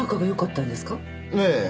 ええ。